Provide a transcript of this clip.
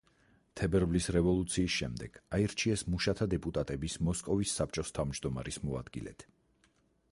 თებერვლის რევოლუციის შემდეგ აირჩიეს მუშათა დეპუტატების მოსკოვის საბჭოს თავმჯდომარის მოადგილედ.